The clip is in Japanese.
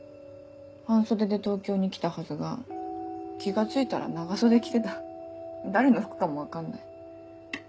半袖で東京に来たはずが気が付いたら長袖着てた誰の服かも分かんない。